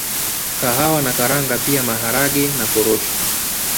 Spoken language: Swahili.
kahawa na karanga pia Maharage na korosho